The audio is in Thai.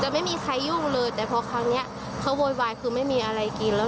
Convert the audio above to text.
มันก็จะโวยวายแบบตื่นมาไม่มีข้าวกิน